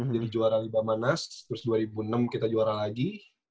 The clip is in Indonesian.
jadi juara libama nas terus dua ribu enam kita juara lagi